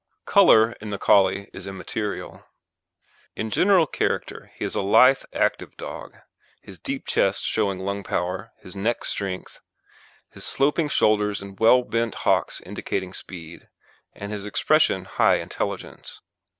COLOUR in the Collie is immaterial. IN GENERAL CHARACTER he is a lithe active dog, his deep chest showing lung power, his neck strength, his sloping shoulders and well bent hocks indicating speed, and his expression high intelligence.